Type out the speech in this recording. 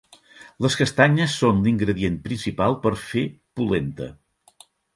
Les castanyes són l'ingredient principal per fer "pulenta".